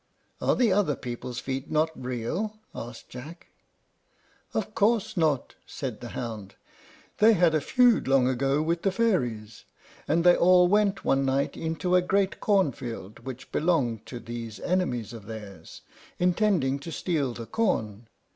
"Are the other people's feet not real?" asked Jack. "Of course not," said the hound. "They had a feud long ago with the fairies, and they all went one night into a great corn field which belonged to these enemies of theirs, intending to steal the corn.